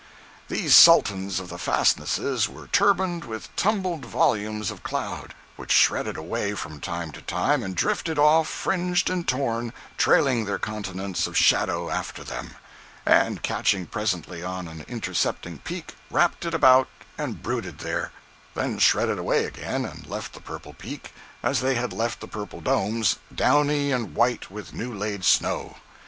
These Sultans of the fastnesses were turbaned with tumbled volumes of cloud, which shredded away from time to time and drifted off fringed and torn, trailing their continents of shadow after them; and catching presently on an intercepting peak, wrapped it about and brooded there—then shredded away again and left the purple peak, as they had left the purple domes, downy and white with new laid snow.